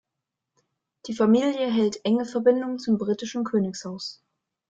Die Familie hält enge Verbindungen zum britischen Königshaus.